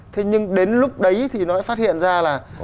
thế nhưng đến lúc đấy thì nó mới phát hiện ra là